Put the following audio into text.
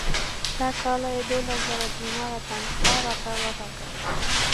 د کاله یې دوولس زره دیناره تنخوا راته وټاکله.